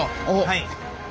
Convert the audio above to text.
はい。